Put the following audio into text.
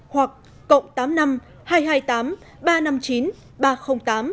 hoặc cộng tám mươi năm hai trăm hai mươi tám ba trăm năm mươi chín ba trăm linh tám